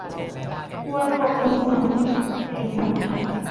ควรตกลงกันให้ชัดเจน